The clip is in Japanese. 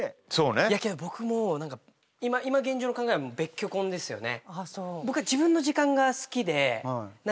いやけど僕も何か今現状の考えは別居婚ですよね。